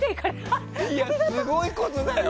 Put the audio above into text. すごいことだよ。